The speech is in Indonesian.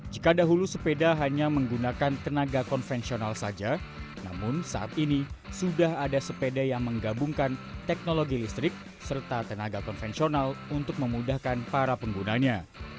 jika dahulu sepeda hanya menggunakan tenaga konvensional saja namun saat ini sudah ada sepeda yang menggabungkan teknologi listrik serta tenaga konvensional untuk memudahkan para penggunanya